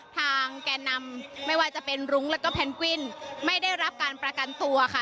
ทางแกนนำไม่ว่าจะเป็นแล้วก็ไม่ได้รับการประกันตัวค่ะ